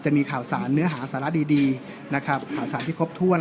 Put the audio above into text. จะมีข่าวสารเนื้อหาสาระดีนะครับข่าวสารที่ครบถ้วน